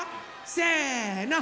せの。